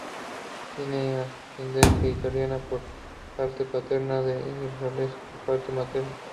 Tiene ascendencia italiana por parte paterna e irlandesa por parte materna.